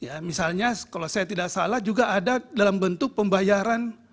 ini apakah ada model lain ya misalnya kalau saya tidak salah juga ada dalam bentuk pembayaran